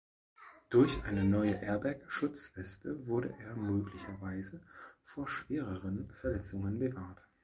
Durch eine neue Airbag-Schutzweste wurde er möglicherweise vor schwereren Verletzungen bewahrt.